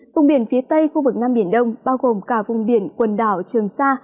vùng biển phía tây khu vực nam biển đông bao gồm cả vùng biển quần đảo trường sa